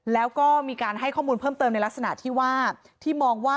และให้ข้อมูลเพิ่มเติมในลักษณะที่มองว่า